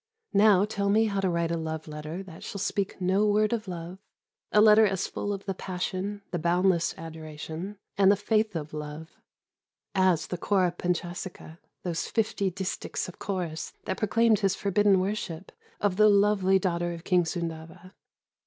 Now tell me how to write a love letter that shall speak no word of love a letter as full of the passion, the boundless adoration, and the faith of love, as the Chaurapanchâsika, those fifty distichs of Chauras that proclaimed his forbidden worship of the lovely daughter of King Sundava.